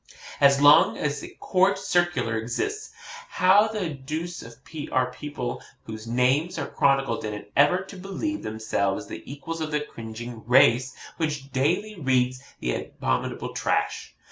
As long as a COURT CIRCULAR exists, how the deuce are people whose names are chronicled in it ever to believe themselves the equals of the cringing race which daily reads that abominable trash?